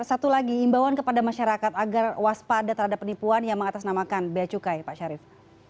satu lagi imbauan kepada masyarakat agar waspada terhadap penipuan yang mengatasnamakan bea cukai pak syarif